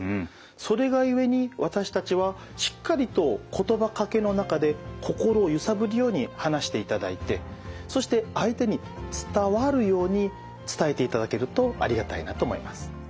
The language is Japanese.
それが故に私たちはしっかりと言葉かけの中で心をゆさぶるように話していただいてそして相手に伝わるように伝えていただけるとありがたいなと思います。